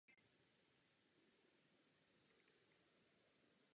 V současnosti hranice diecéze přesně kopírují hranice departementu Vosges.